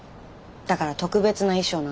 だから特別な衣装なの。